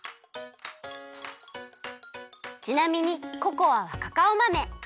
ちなみにココアはカカオ豆。